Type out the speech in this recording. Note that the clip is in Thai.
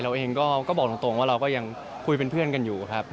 เองก็บอกตรงว่าเราก็ยังคุยเป็นเพื่อนกันอยู่ครับ